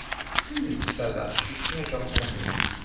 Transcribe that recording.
Netta d aqcic ajapuni.